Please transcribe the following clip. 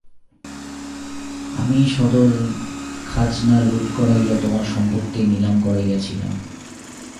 আমিই সদরখাজনা লুট করাইয়া তোমার সম্পত্তি নিলাম করাইয়াছিলাম।